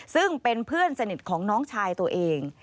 ซึ่งเป็นเพื่อนสนิทของน้องชายตัวเอง